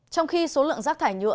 trong khi số lượng rác thải nhựa